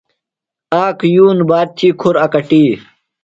آک یُون باد تھی کُھر اکٹیۡ۔